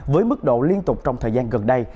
với mức độ liên tục trong thời gian gần đây